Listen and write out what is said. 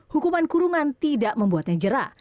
hukuman kurungan tidak membuatnya jerah